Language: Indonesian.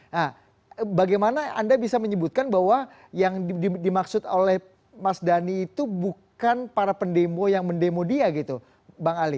nah bagaimana anda bisa menyebutkan bahwa yang dimaksud oleh mas dhani itu bukan para pendemo yang mendemo dia gitu bang ali